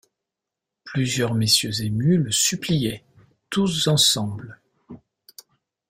Plusieurs messieurs émus le suppliaient, tous ensemble.